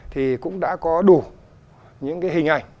thì cũng đã có đủ những hình ảnh